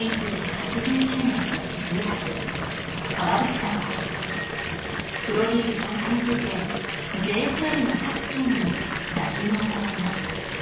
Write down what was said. １９８９年１０月川淵さんはプロリーグ参加についてＪＳＬの各チームに打診を行います